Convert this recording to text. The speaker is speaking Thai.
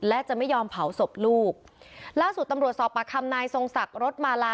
และจะไม่ยอมเผาศพลูกล่าสุดตำรวจสอบประคำนายทรงศักดิ์รถมาลา